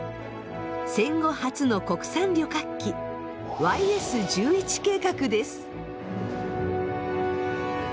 戦後初の国産旅客機ＹＳー１１計画です。